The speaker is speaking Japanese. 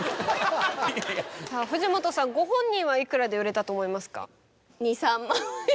藤本さんご本人はいくらで売れたと思いますか？